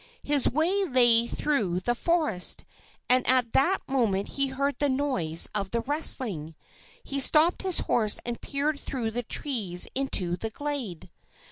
His way lay through the forest, and at that moment he heard the noise of the wrestling. He stopped his horse and peered through the trees into the glade.